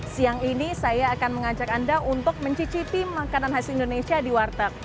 siang ini saya akan mengajak anda untuk mencicipi makanan khas indonesia di warteg